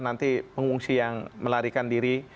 nanti pengungsi yang melarikan diri